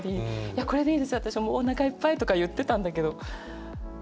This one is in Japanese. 「いやこれでいいです私おなかいっぱい」とか言ってたんだけど。